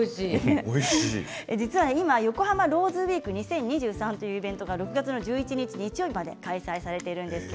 今「横浜ローズウィーク２０２３」というイベントが６月１１日日曜日まで開催されています。